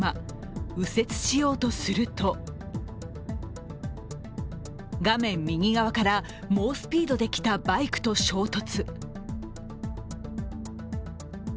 右折しようとすると画面右側から猛スピードで来たバイクと衝突。